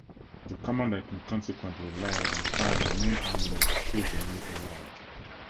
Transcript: The commander can consequently lay and fire the main armament should the need arise.